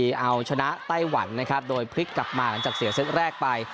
เอาชนะไต้หวันนะครับโดยพลิกกลับมาหลังจากเสียเซตแรกไป